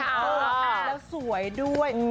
โทษค่ะแล้วสวยด้วย